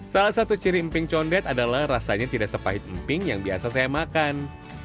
salah satu ciri emping condet adalah rasanya tidak sepahit emping yang biasa saya makan